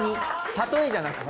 例えじゃなくて。